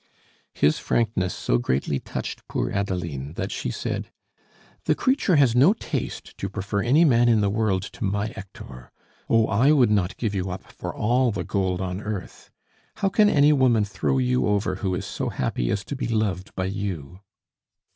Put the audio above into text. His frankness so greatly touched poor Adeline, that she said: "The creature has no taste to prefer any man in the world to my Hector. Oh, I would not give you up for all the gold on earth. How can any woman throw you over who is so happy as to be loved by you?"